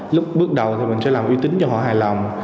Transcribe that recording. lúc bước đầu thì mình sẽ làm uy tín cho họ hài lòng